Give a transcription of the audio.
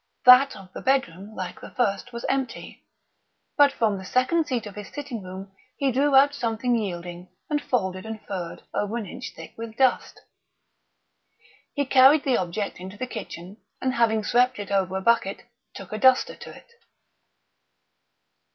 That of the bedroom, like the first, was empty; but from the second seat of his sitting room he drew out something yielding and folded and furred over an inch thick with dust. He carried the object into the kitchen, and having swept it over a bucket, took a duster to it.